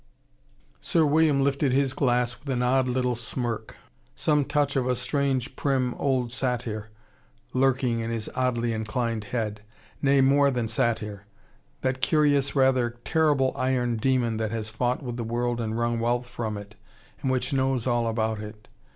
Sir William lifted his glass with an odd little smirk, some touch of a strange, prim old satyr lurking in his oddly inclined head. Nay, more than satyr: that curious, rather terrible iron demon that has fought with the world and wrung wealth from it, and which knows all about it.